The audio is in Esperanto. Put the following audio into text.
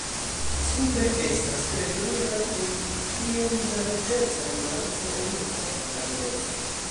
Supre estas tre bruna kun iom da ruĝeca nuanco en vosto kaj dorso.